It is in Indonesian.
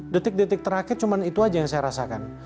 detik detik terakhir cuma itu aja yang saya rasakan